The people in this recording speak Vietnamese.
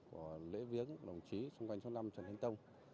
của lễ viếng đồng chí xung quanh sáu mươi năm trần thánh tông